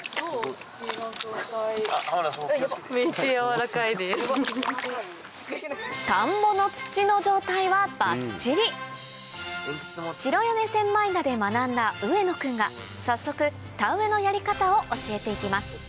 土の状態・田んぼの土の状態はばっちり白米千枚田で学んだ上野君が早速田植えのやり方を教えていきます